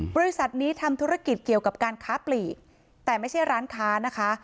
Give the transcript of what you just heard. บริษัทนี้ทำธุรกิจเกี่ยวกับการค้าปลีกแต่ไม่ใช่ร้านค้านะคะ